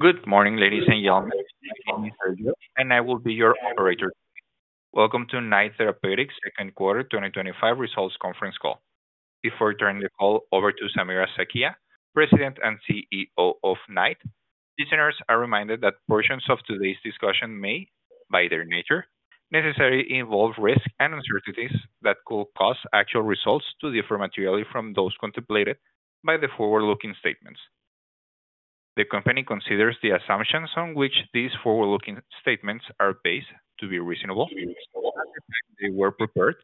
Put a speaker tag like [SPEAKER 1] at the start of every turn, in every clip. [SPEAKER 1] Good morning, ladies and gentlemen. My name is Sergio, and I will be your moderator. Welcome to Knight Therapeutics' Second Quarter 2025 Results Conference Call. Before turning the call over to Samira Sakhia, President and CEO of Knight, listeners are reminded that portions of today's discussion may, by their nature, necessarily involve risks and uncertainties that could cause actual results to differ materially from those contemplated by the forward-looking statements. The company considers the assumptions on which these forward-looking statements are based to be reasonable, which is not the fact they were prepared,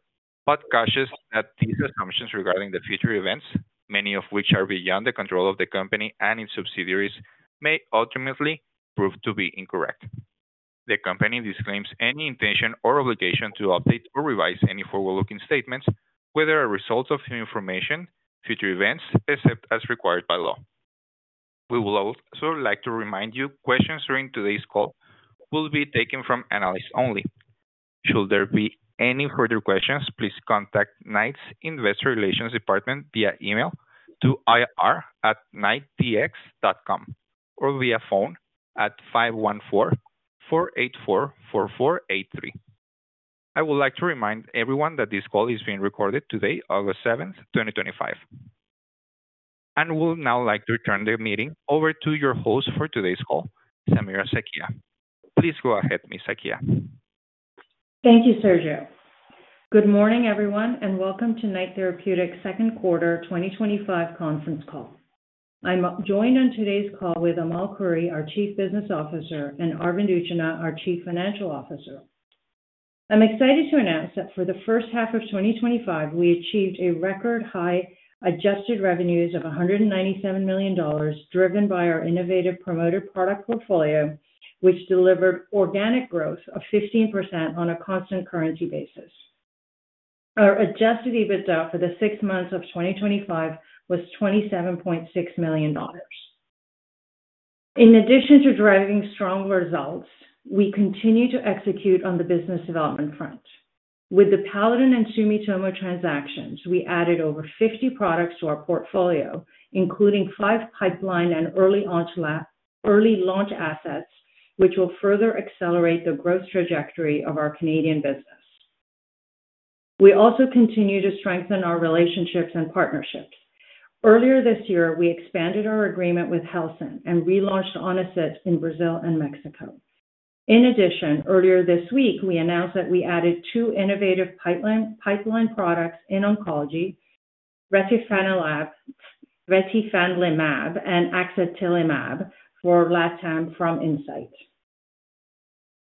[SPEAKER 1] but cautions that these assumptions regarding the future events, many of which are beyond the control of the company and its subsidiaries, may ultimately prove to be incorrect. The company disclaims any intention or obligation to update or revise any forward-looking statements, whether as a result of information or future events, except as required by law. We would also like to remind you that questions during today's call will be taken from analysts only. Should there be any further questions, please contact Knight's Investor Relations Department via email to ir@knightdx.com or via phone at 514-484-4483. I would like to remind everyone that this call is being recorded today, August 7th, 2025. We would now like to turn the meeting over to your host for today's call, Samira Sakhia. Please go ahead, Ms. Sakhia.
[SPEAKER 2] Thank you, Sergio. Good morning, everyone, and welcome to Knight Therapeutics' second quarter 2025 conference call. I'm joined on today's call with Amal Khouri, our Chief Business Officer, and Arvind Utchanah, our Chief Financial Officer. I'm excited to announce that for the first half of 2025, we achieved a record-high adjusted revenues of 197 million dollars, driven by our innovative promoter product portfolio, which delivered organic growth of 15% on a constant currency basis. Our adjusted EBITDA for the six months of 2025 was 27.6 million dollars. In addition to driving strong results, we continue to execute on the business development front. With the Paladin and Sumitomo transactions, we added over 50 products to our portfolio, including five pipeline and early launch assets, which will further accelerate the growth trajectory of our Canadian business. We also continue to strengthen our relationships and partnerships. Earlier this year, we expanded our agreement with Helsinn and relaunched ONICIT in Brazil and Mexico. In addition, earlier this week, we announced that we added two innovative pipeline products in oncology. retifanlimab and axatilimab were licensed from Incyte.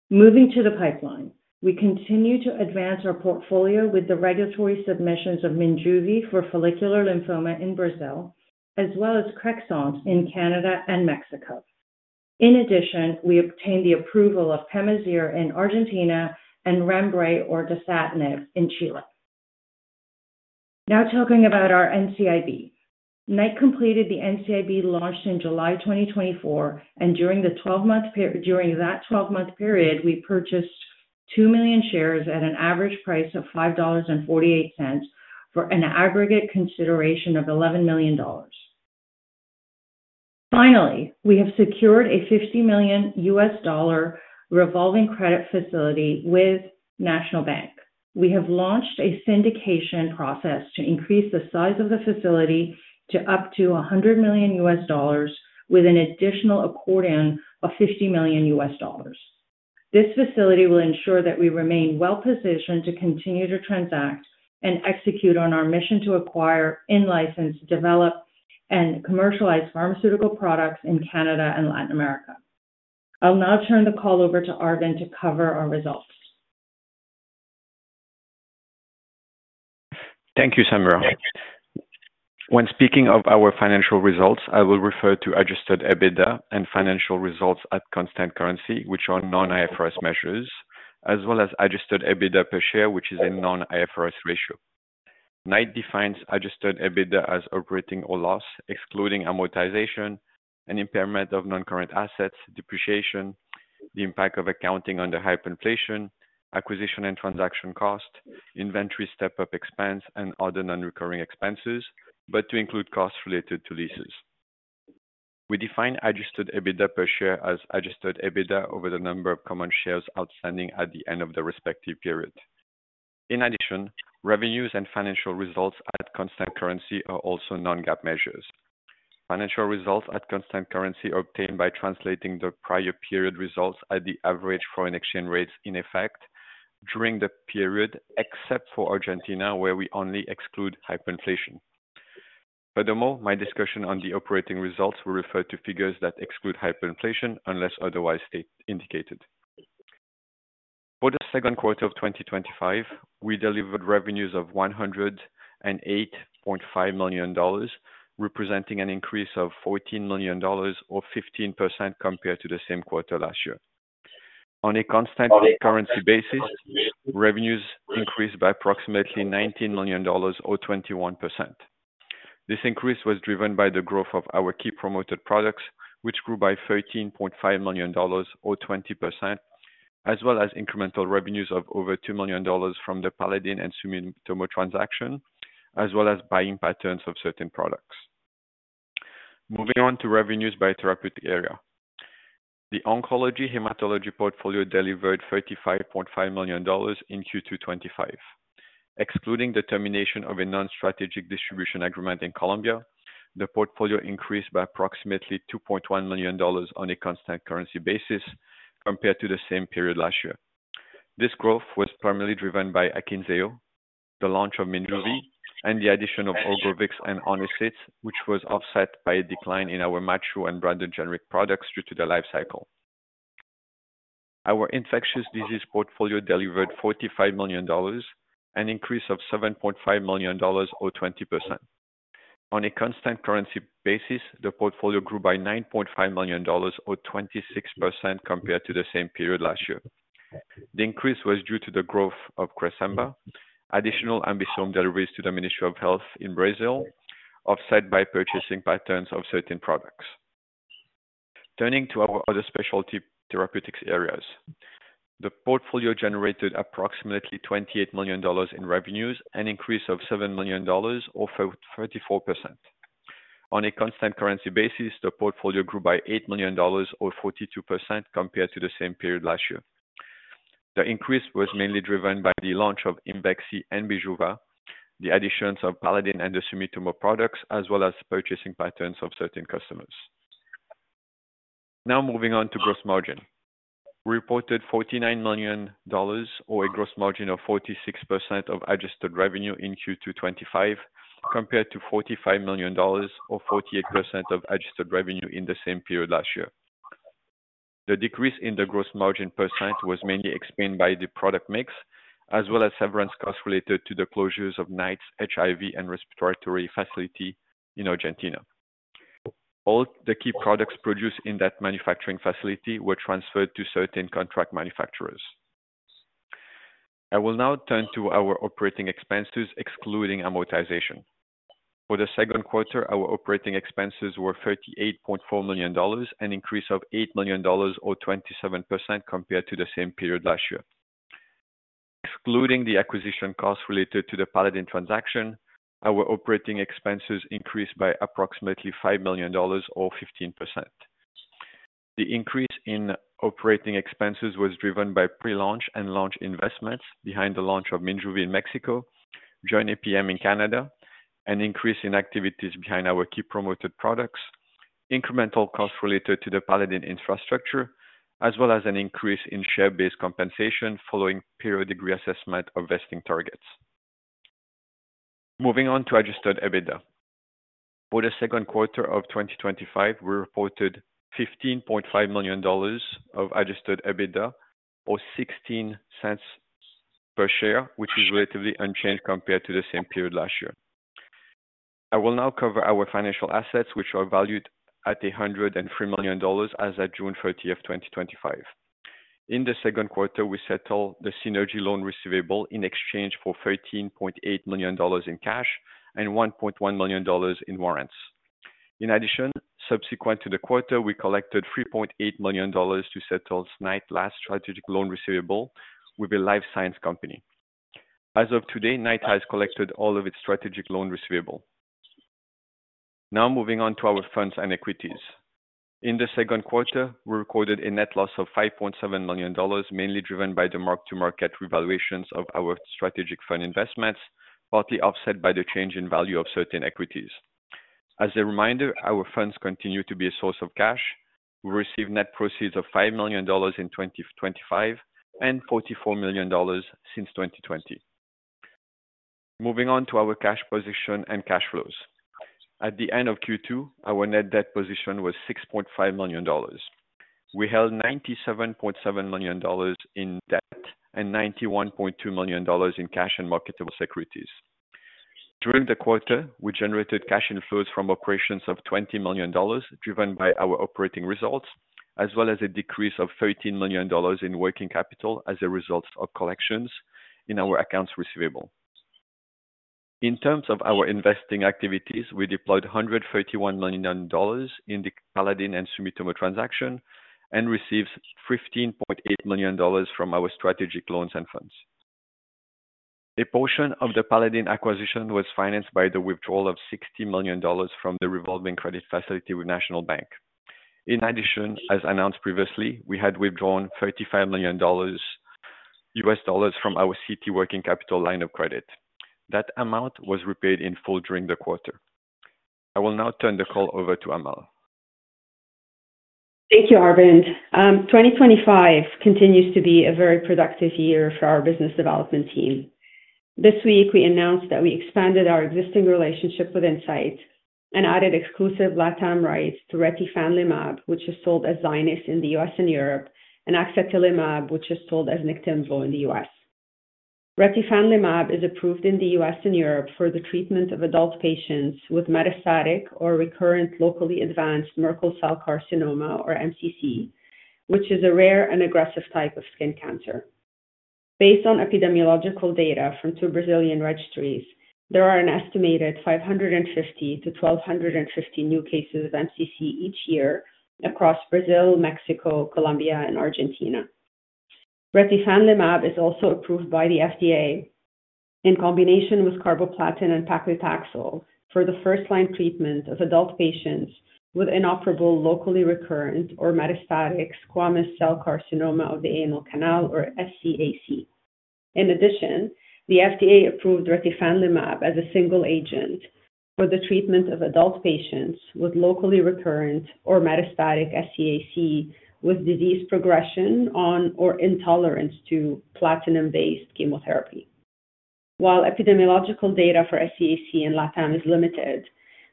[SPEAKER 2] Moving to the pipeline, we continue to advance our portfolio with the regulatory submissions of Minjuvi for follicular lymphoma in Brazil, as well as Crexont in Canada and Mexico. In addition, we obtained the approval of Pemazyre in Argentina and Rembre (dasatinib) in Chile. Now talking about our NCIB. Knight completed the NCIB launch in July 2024, and during that 12-month period, we purchased 2 million shares at an average price of 5.48 dollars for an aggregate consideration of 11 million dollars. Finally, we have secured a $50 million revolving credit facility with National Bank. We have launched a syndication process to increase the size of the facility to up to $100 million with an additional accordion of $50 million. This facility will ensure that we remain well-positioned to continue to transact and execute on our mission to acquire, in-license, develop, and commercialize pharmaceutical products in Canada and Latin America. I'll now turn the call over to Arvind to cover our results.
[SPEAKER 3] Thank you, Samira. When speaking of our financial results, I will refer to adjusted EBITDA and financial results at constant currency, which are non-IFRS measures, as well as adjusted EBITDA per share, which is a non-IFRS ratio. Knight defines adjusted EBITDA as operating income or loss, excluding amortization, an impairment of non-current assets, depreciation, the impact of accounting under hyperinflation, acquisition and transaction costs, inventory step-up expense, and other non-recurring expenses, but to include costs related to leases. We define adjusted EBITDA per share as adjusted EBITDA over the number of common shares outstanding at the end of the respective period. In addition, revenues and financial results at constant currency are also non-GAAP measures. Financial results at constant currency are obtained by translating the prior period results at the average foreign exchange rates in effect during the period, except for Argentina, where we only exclude hyperinflation. Furthermore, my discussion on the operating results will refer to figures that exclude hyperinflation unless otherwise indicated. For the second quarter of 2025, we delivered revenues of 108.5 million dollars, representing an increase of 14 million dollars, or 15% compared to the same quarter last year. On a constant currency basis, revenues increased by approximately 19 million dollars, or 21%. This increase was driven by the growth of our key promoted products, which grew by 13.5 million dollars, or 20%, as well as incremental revenues of over 2 million dollars from the Paladin and Sumitomo transaction, as well as buying patterns of certain products. Moving on to revenues by therapeutic area, the oncology hematology portfolio delivered 35.5 million dollars in Q2 2025. Excluding the termination of a non-strategic distribution agreement in Colombia, the portfolio increased by approximately 2.1 million dollars on a constant currency basis compared to the same period last year. This growth was primarily driven by AKYNZEO, the launch of Minjuvi, and the addition of ORGOVYX and ONICIT, which was offset by a decline in our mature and branded generic products due to the life cycle. Our infectious disease portfolio delivered 45 million dollars, an increase of 7.5 million dollars, or 20%. On a constant currency basis, the portfolio grew by 9.5 million dollars, or 26% compared to the same period last year. The increase was due to the growth of Cresemba, additional Ambisome deliveries to the Ministry of Health in Brazil, offset by purchasing patterns of certain products. Turning to our other specialty therapeutics areas, the portfolio generated approximately 28 million dollars in revenues, an increase of 7 million dollars, or 34%. On a constant currency basis, the portfolio grew by 8 million dollars, or 42% compared to the same period last year. The increase was mainly driven by the launch of IMVEXXY and Bijuva, the additions of Paladin and the Sumitomo products, as well as purchasing patterns of certain customers. Now moving on to gross margin. We reported 49 million dollars, or a gross margin of 46% of adjusted revenue in Q2 2025, compared to 45 million dollars, or 48% of adjusted revenue in the same period last year. The decrease in the gross margin percentage was mainly explained by the product mix, as well as severance costs related to the closures of Knight's HIV and respiratory facility in Argentina. All the key products produced in that manufacturing facility were transferred to certain contract manufacturers. I will now turn to our operating expenses, excluding amortization. For the second quarter, our operating expenses were 38.4 million dollars, an increase of 8 million dollars, or 27% compared to the same period last year. Excluding the acquisition costs related to the Paladin transaction, our operating expenses increased by approximately 5 million dollars, or 15%. The increase in operating expenses was driven by pre-launch and launch investments behind the launch of Minjuvi in Mexico, Jornay PM in Canada, an increase in activities behind our key promoted products, incremental costs related to the Paladin infrastructure, as well as an increase in share-based compensation following periodic reassessment of vesting targets. Moving on to adjusted EBITDA. For the second quarter of 2025, we reported 15.5 million dollars of adjusted EBITDA, or 0.16 per share, which is relatively unchanged compared to the same period last year. I will now cover our financial assets, which are valued at 103 million dollars as of June 30th, 2025. In the second quarter, we settled the synergy loan receivable in exchange for CAD 13.8 million in cash and CAD 1.1 million in warrants. In addition, subsequent to the quarter, we collected CAD 3.8 million to settle Knight's last strategic loan receivable with a life science company. As of today, Knight has collected all of its strategic loan receivable. Now moving on to our funds and equities. In the second quarter, we recorded a net loss of 5.7 million dollars, mainly driven by the mark-to-market revaluations of our strategic fund investments, partly offset by the change in value of certain equities. As a reminder, our funds continue to be a source of cash. We received net proceeds of 5 million dollars in 2025 and 44 million dollars since 2020. Moving on to our cash position and cash flows, at the end of Q2, our net debt position was 6.5 million dollars. We held 97.7 million dollars in debt and 91.2 million dollars in cash and marketable securities. During the quarter, we generated cash inflows from operations of 20 million dollars, driven by our operating results, as well as a decrease of 13 million dollars in working capital as a result of collections in our accounts receivable. In terms of our investing activities, we deployed 131 million dollars in the Paladin and Sumitomo transaction and received 15.8 million dollars from our strategic loans and funds. A portion of the Paladin acquisition was financed by the withdrawal of 60 million dollars from the revolving credit facility with National Bank. In addition, as announced previously, we had withdrawn $35 million from our Citi working capital line of credit. That amount was repaid in full during the quarter. I will now turn the call over to Amal.
[SPEAKER 4] Thank you, Arvind. 2025 continues to be a very productive year for our business development team. This week, we announced that we expanded our existing relationship with Incyte and added exclusive LatAm rights to retifanlimab, which is sold as ZYNYZ in the U.S. and Europe, and axatilimab, which is sold as NIKTIMVO in the U.S. Retifanlimab is approved in the U.S. and Europe for the treatment of adult patients with metastatic or recurrent locally advanced Merkel cell carcinoma, or MCC, which is a rare and aggressive type of skin cancer. Based on epidemiological data from two Brazilian registries, there are an estimated 550-1,250 new cases of MCC each year across Brazil, Mexico, Colombia, and Argentina. Retifanlimab is also approved by the FDA in combination with carboplatin and paclitaxel for the first-line treatment of adult patients with inoperable locally recurrent or metastatic squamous cell carcinoma of the anal canal, or SCAC. In addition, the FDA approved retifanlimab as a single agent for the treatment of adult patients with locally recurrent or metastatic SCAC with disease progression on or intolerance to platinum-based chemotherapy. While epidemiological data for SCAC in LatAm is limited,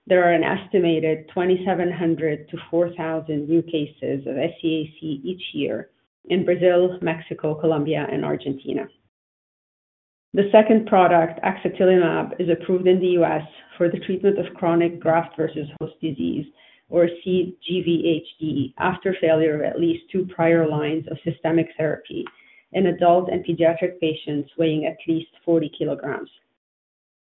[SPEAKER 4] there are an estimated 2,700-4,000 new cases of SCAC each year in Brazil, Mexico, Colombia, and Argentina. The second product, axatilimab, is approved in the U.S. for the treatment of chronic graft versus host disease, or cGvHD, after failure of at least two prior lines of systemic therapy in adult and pediatric patients weighing at least 40 kg.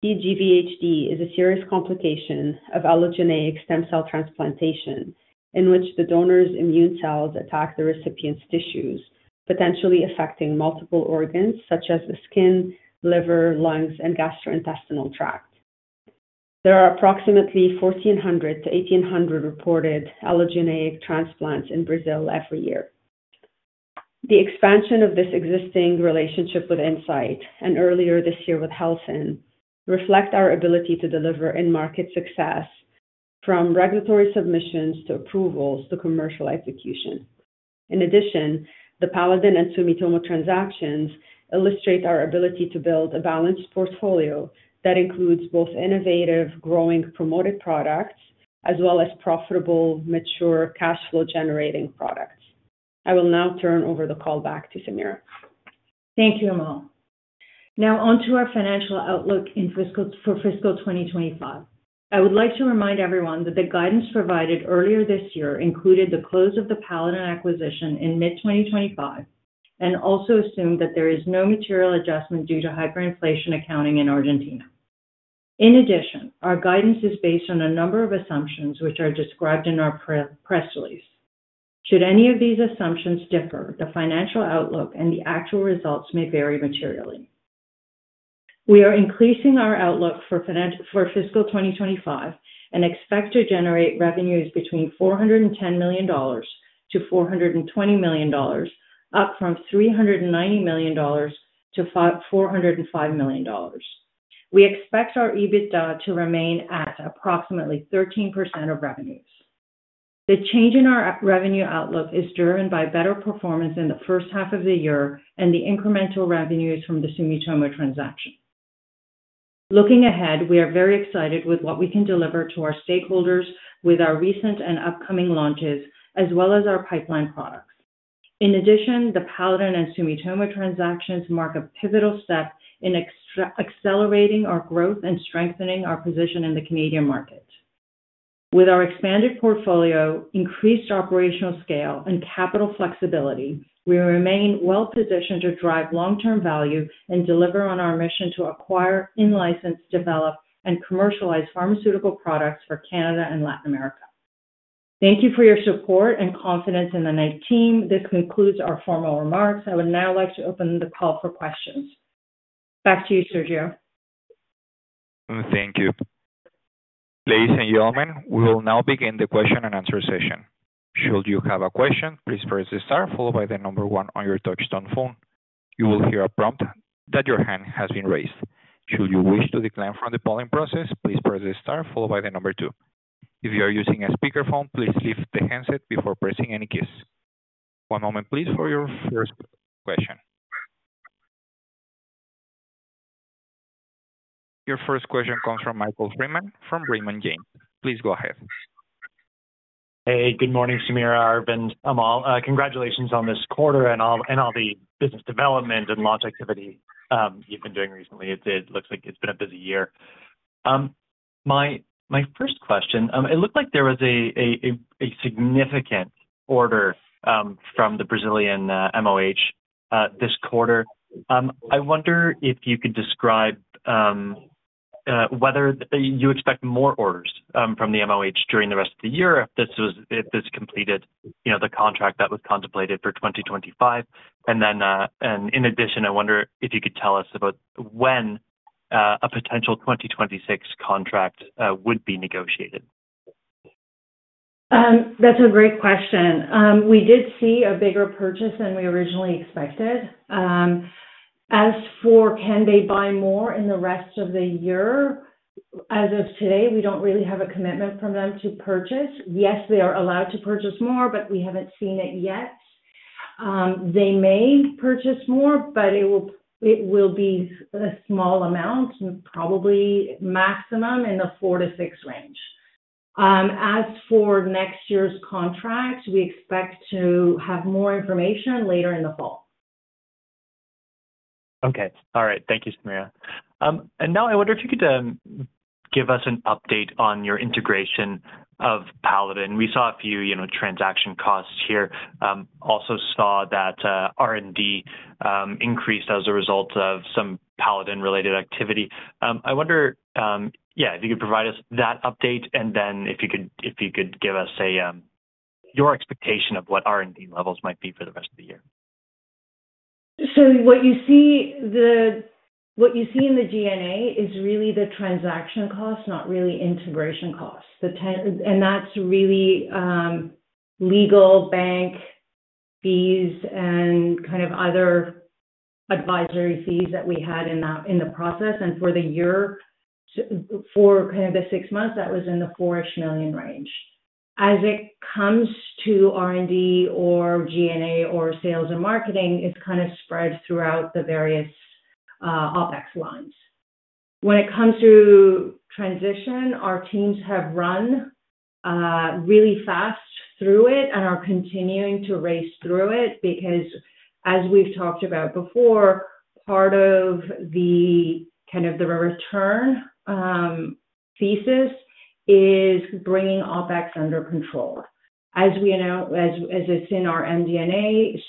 [SPEAKER 4] cGvHD is a serious complication of allogeneic stem cell transplantation, in which the donor's immune cells attack the recipient's tissues, potentially affecting multiple organs such as the skin, liver, lungs, and gastrointestinal tract. There are approximately 1,400-1,800 reported allogeneic transplants in Brazil every year. The expansion of this existing relationship with Incyte and earlier this year with Helsinn reflects our ability to deliver in-market success from regulatory submissions to approvals to commercial execution. In addition, the Paladin and Sumitomo transactions illustrate our ability to build a balanced portfolio that includes both innovative, growing promoted products, as well as profitable, mature, cash-flow-generating products. I will now turn over the call back to Samira.
[SPEAKER 2] Thank you, Amal. Now on to our financial outlook for fiscal 2025. I would like to remind everyone that the guidance provided earlier this year included the close of the Paladin acquisition in mid-2025 and also assumed that there is no material adjustment due to hyperinflation accounting in Argentina. In addition, our guidance is based on a number of assumptions, which are described in our press release. Should any of these assumptions differ, the financial outlook and the actual results may vary materially. We are increasing our outlook for fiscal 2025 and expect to generate revenues between 410 million-420 million dollars, up from 390 million-405 million dollars. We expect our EBITDA to remain at approximately 13% of revenues. The change in our revenue outlook is driven by better performance in the first half of the year and the incremental revenues from the Sumitomo transaction. Looking ahead, we are very excited with what we can deliver to our stakeholders with our recent and upcoming launches, as well as our pipeline products. In addition, the Paladin and Sumitomo transactions mark a pivotal step in accelerating our growth and strengthening our position in the Canadian market. With our expanded portfolio, increased operational scale, and capital flexibility, we remain well-positioned to drive long-term value and deliver on our mission to acquire, in-license, develop, and commercialize pharmaceutical products for Canada and Latin America. Thank you for your support and confidence in the Knight team. This concludes our formal remarks. I would now like to open the call for questions. Back to you, Sergio.
[SPEAKER 1] Thank you. Ladies and gentlemen, we will now begin the question and answer session. Should you have a question, please press the star followed by the number one on your touch-tone phone. You will hear a prompt that your hand has been raised. Should you wish to decline from the polling process, please press the star followed by the number two. If you are using a speakerphone, please lift the handset before pressing any keys. One moment, please, for your first question. Your first question comes from Michael Freeman from Raymond James. Please go ahead.
[SPEAKER 5] Hey, good morning, Samira, Arvind, Amal. Congratulations on this quarter and all the business development and loss activity you've been doing recently. It looks like it's been a busy year. My first question, it looked like there was a significant order from the Brazilian Ministry of Health this quarter. I wonder if you could describe whether you expect more orders from the Ministry of Health during the rest of the year, if this was completed, you know, the contract that was contemplated for 2025. In addition, I wonder if you could tell us about when a potential 2026 contract would be negotiated.
[SPEAKER 2] That's a great question. We did see a bigger purchase than we originally expected. As for can they buy more in the rest of the year, as of today, we don't really have a commitment from them to purchase. Yes, they are allowed to purchase more, but we haven't seen it yet. They may purchase more, but it will be a small amount, probably maximum in the 4-6 range. As for next year's contract, we expect to have more information later in the fall.
[SPEAKER 5] Okay. All right. Thank you, Samira. I wonder if you could give us an update on your integration of Paladin. We saw a few transaction costs here. Also saw that R&D increased as a result of some Paladin-related activity. I wonder if you could provide us that update and then if you could give us your expectation of what R&D levels might be for the rest of the year.
[SPEAKER 2] What you see in the G&A is really the transaction costs, not really integration costs. That's really legal, bank fees, and other advisory fees that we had in the process. For the year, for the six months, that was in the 4 million-ish range. As it comes to R&D or G&A or sales and marketing, it's spread throughout the various OpEx lines. When it comes to transition, our teams have run really fast through it and are continuing to race through it because, as we've talked about before, part of the return thesis is bringing OpEx under control. As we announce, as it's in our MD&A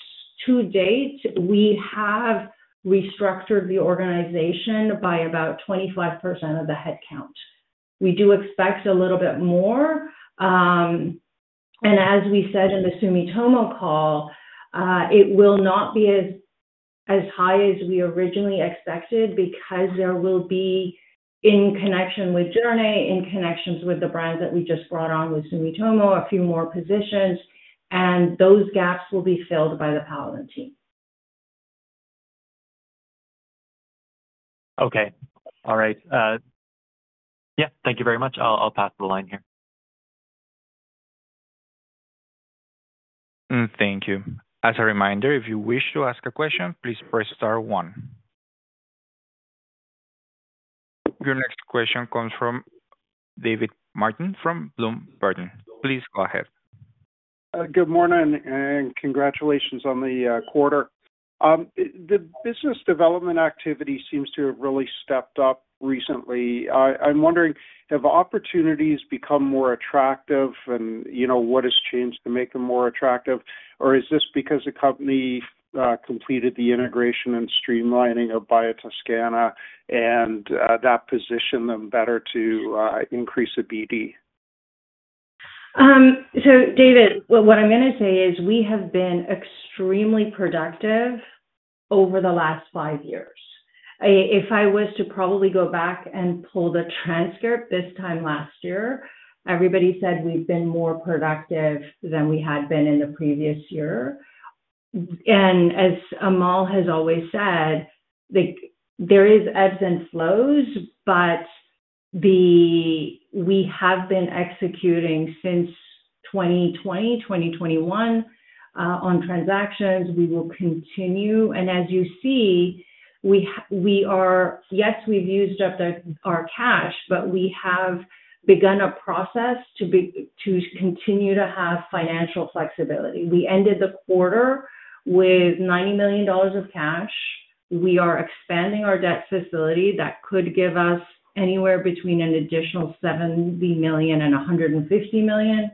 [SPEAKER 2] to date, we have restructured the organization by about 25% of the headcount. We do expect a little bit more. As we said in the Sumitomo call, it will not be as high as we originally expected because there will be, in connection with Journey, in connection with the brands that we just brought on with Sumitomo, a few more positions, and those gaps will be filled by the Paladin team.
[SPEAKER 5] Okay. All right. Yeah, thank you very much. I'll pass the line here.
[SPEAKER 1] Thank you. As a reminder, if you wish to ask a question, please press star one. Your next question comes from David Martin from Bloom Burton. Please go ahead.
[SPEAKER 6] Good morning and congratulations on the quarter. The business development activity seems to have really stepped up recently. I'm wondering, have opportunities become more attractive, and you know, what has changed to make them more attractive, or is this because the company completed the integration and streamlining of Biotoscana and that positioned them better to increase the BD?
[SPEAKER 2] David, what I'm going to say is we have been extremely productive over the last five years. If I was to probably go back and pull the transcript this time last year, everybody said we've been more productive than we had been in the previous year. As Amal has always said, there are ebbs and flows, but we have been executing since 2020, 2021 on transactions. We will continue. As you see, yes, we've used up our cash, but we have begun a process to continue to have financial flexibility. We ended the quarter with 90 million dollars of cash. We are expanding our debt facility that could give us anywhere between an additional 70 million and 150 million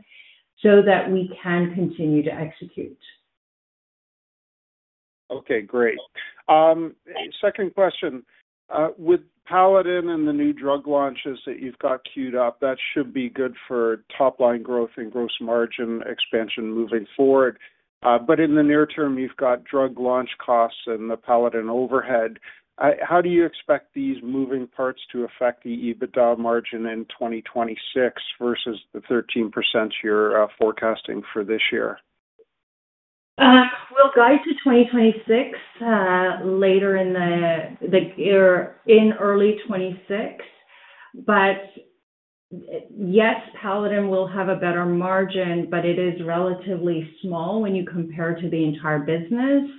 [SPEAKER 2] so that we can continue to execute.
[SPEAKER 6] Okay, great. Second question. With Paladin and the new drug launches that you've got queued up, that should be good for top-line growth and gross margin expansion moving forward. In the near term, you've got drug launch costs and the Paladin overhead. How do you expect these moving parts to affect the EBITDA margin in 2026 versus the 13% you're forecasting for this year?
[SPEAKER 2] We'll guide to 2026 later in the year in early 2026. Yes, Paladin will have a better margin, but it is relatively small when you compare to the entire business.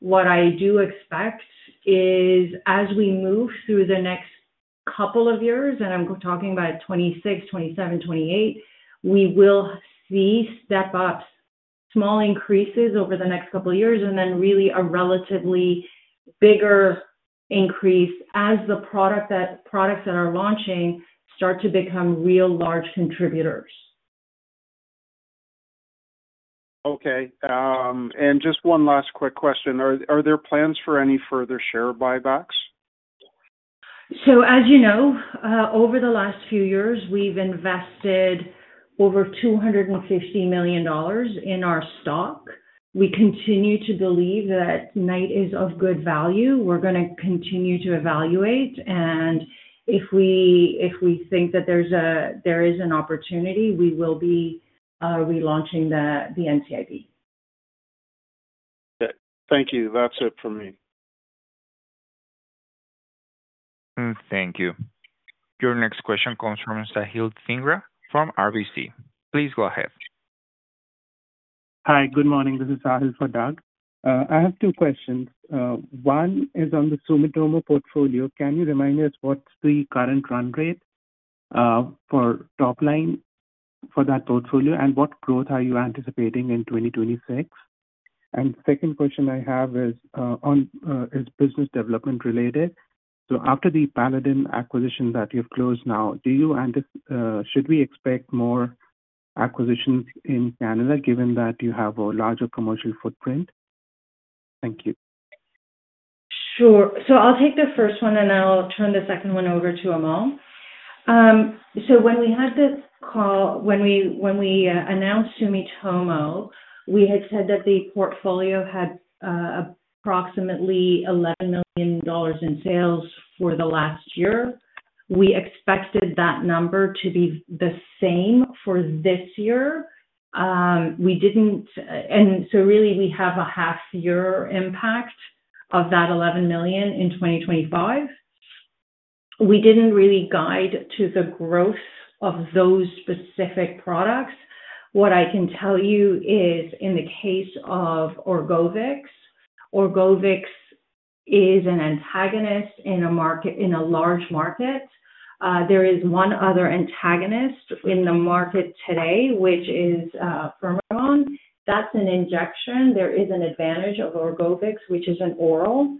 [SPEAKER 2] What I do expect is as we move through the next couple of years, and I'm talking about 2026, 2027, 2028, we will see step-ups, small increases over the next couple of years, and then really a relatively bigger increase as the products that are launching start to become real large contributors.
[SPEAKER 6] Okay. Just one last quick question. Are there plans for any further share buybacks?
[SPEAKER 2] As you know, over the last few years, we've invested over 250 million dollars in our stock. We continue to believe that Knight is of good value. We're going to continue to evaluate, and if we think that there is an opportunity, we will be relaunching the NCIB.
[SPEAKER 6] Okay, thank you. That's it for me.
[SPEAKER 1] Thank you. Your next question comes from Sahil Dhingra from RBC. Please go ahead.
[SPEAKER 7] Hi. Good morning. This is Sahil Dhingra. I have two questions. One is on the Sumitomo portfolio. Can you remind us what's the current run rate for top line for that portfolio and what growth are you anticipating in 2026? The second question I have is on business development related. After the Paladin acquisition that you've closed now, do you should we expect more acquisitions in Canada given that you have a larger commercial footprint? Thank you.
[SPEAKER 2] Sure. I'll take the first one and I'll turn the second one over to Amal. When we had this call, when we announced Sumitomo, we had said that the portfolio had approximately 11 million dollars in sales for the last year. We expected that number to be the same for this year. We didn't. We have a half-year impact of that 11 million in 2025. We didn't really guide to the growth of those specific products. What I can tell you is in the case of ORGOVYX, ORGOVYX is an antagonist in a large market. There is one other antagonist in the market today, which is Firmagon. That's an injection. There is an advantage of ORGOVYX, which is an oral.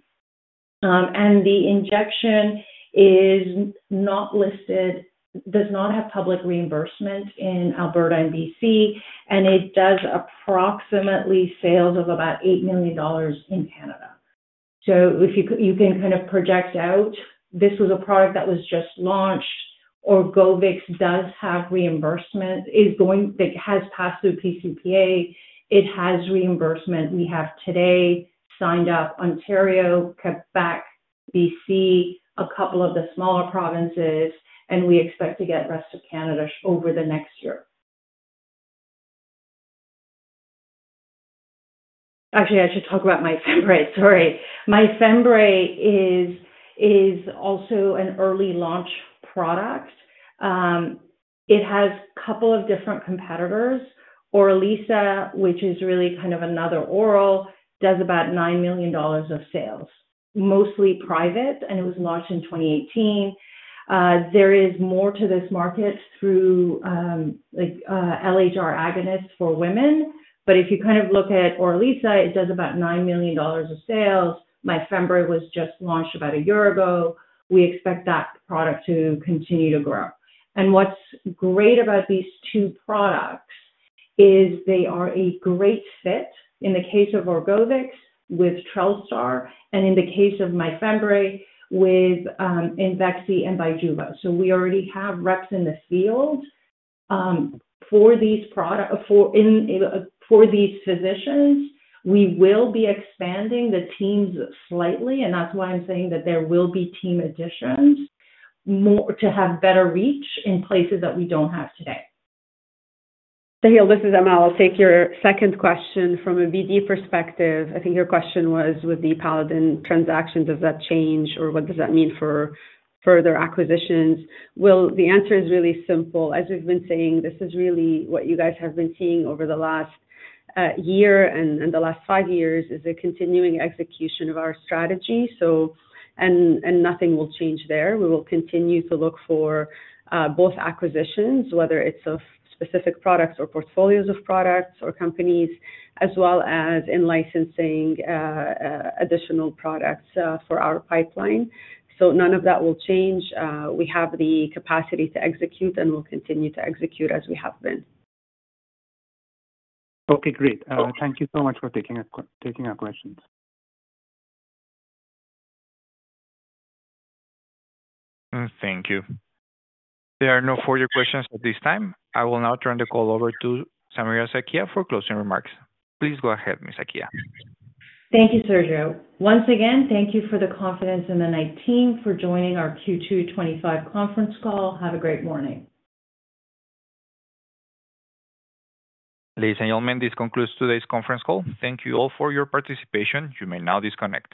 [SPEAKER 2] The injection is not listed, does not have public reimbursement in Alberta and BC, and it does approximately 8 million dollars in sales in Canada. If you can kind of project out, this was a product that was just launched. ORGOVYX does have reimbursement. It has passed through PCPA. It has reimbursement. We have today signed up Ontario, Quebec, BC, a couple of the smaller provinces, and we expect to get the rest of Canada over the next year. Actually, I should talk about MYFEMBREE. Sorry. MYFEMBREE is also an early launch product. It has a couple of different competitors. ORILISSA, which is really kind of another oral, does about 9 million dollars of sales, mostly private, and it was launched in 2018. There is more to this market through LHR agonists for women. If you look at ORILISSA, it does about 9 million dollars of sales. MYFEMBREE was just launched about a year ago. We expect that product to continue to grow. What's great about these two products is they are a great fit in the case of ORGOVYX with Trelstar, and in the case of MYFEMBREE with IMVEXXY and Bijuva. We already have reps in the field for these physicians. We will be expanding the teams slightly, and that's why I'm saying that there will be team additions to have better reach in places that we don't have today.
[SPEAKER 4] Thank you. This is Amal. I'll take your second question from a BD perspective. I think your question was with the Paladin transaction, does that change, or what does that mean for further acquisitions? The answer is really simple. As we've been saying, this is really what you guys have been seeing over the last year and the last five years is the continuing execution of our strategy, and nothing will change there. We will continue to look for both acquisitions, whether it's of specific products or portfolios of products or companies, as well as in-licensing additional products for our pipeline. None of that will change. We have the capacity to execute and will continue to execute as we have been.
[SPEAKER 1] Okay, great. Thank you so much for taking our questions. Thank you. There are no further questions at this time. I will now turn the call over to Samira Sakhia for closing remarks. Please go ahead, Ms. Sakhia.
[SPEAKER 2] Thank you, Sergio. Once again, thank you for the confidence in the Knight team for joining our Q2 2025 conference call. Have a great morning.
[SPEAKER 1] Ladies and gentlemen, this concludes today's conference call. Thank you all for your participation. You may now disconnect.